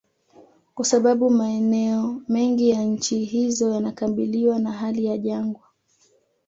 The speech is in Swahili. Kwa sababu maeneo mengi ya nchi hizo yanakabiliwa na hali ya jangwa